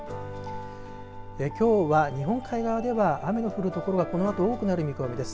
きょうは日本海側では雨の降るところがこのあと多くなる見込みです。